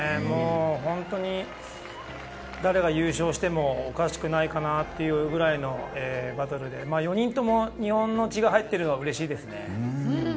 本当に、誰が優勝してもおかしくないかなっていうくらいのバトルで４人とも日本の血が入っているのがうれしいですね。